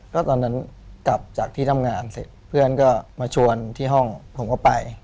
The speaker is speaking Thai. ก็ตอนนั้นกลับจากที่ทำงานเสร็จเพื่อนก็มาชวนที่ห้องผมก็ไป